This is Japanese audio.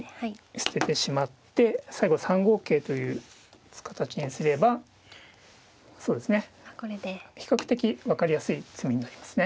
捨ててしまって最後に３五桂という形にすればそうですね比較的分かりやすい詰みになりますね。